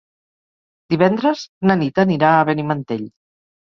Divendres na Nit anirà a Benimantell.